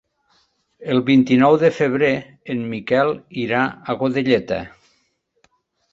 El vint-i-nou de febrer en Miquel irà a Godelleta.